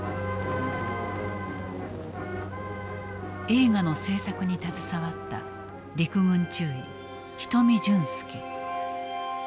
映画の制作に携わった陸軍中尉人見潤介。